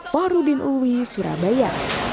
fahrudin uwi surabaya